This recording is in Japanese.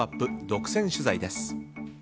独占取材です。